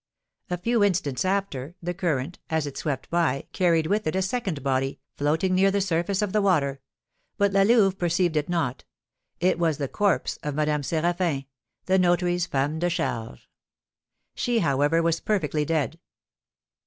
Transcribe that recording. A few instants after, the current, as it swept by, carried with it a second body, floating near to the surface of the water; but La Louve perceived it not. It was the corpse of Madame Séraphin, the notary's femme de charge. She, however, was perfectly dead.